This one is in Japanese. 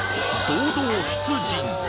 堂々出陣！